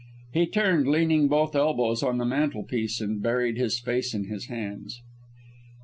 He turned, leaning both elbows on the mantel piece, and buried his face in his hands.